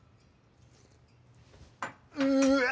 うわ！